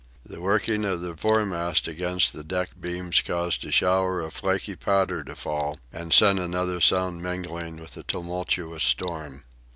The working of the foremast against the deck beams caused a shower of flaky powder to fall, and sent another sound mingling with the tumultous storm.